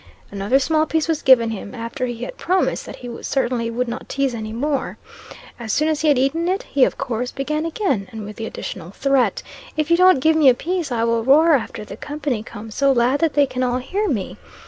Another small piece was given him, after he had promised that he certainly would not tease any more. As soon as he had eaten it, he, of course, began again; and with the additional threat, 'If you don't give me a piece, I will roar after the company comes, so loud that they can all hear me.'